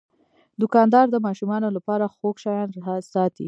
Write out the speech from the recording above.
دوکاندار د ماشومانو لپاره خوږ شیان ساتي.